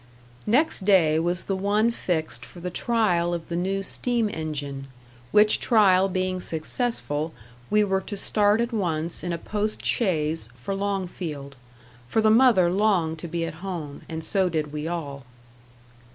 Next day was the one fixed for the trial of the new steam engine; which trial being successful, we were to start at once in a post chaise for Longfield; for the mother longed to be at home, and so did we all.